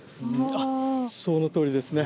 あっそのとおりですね。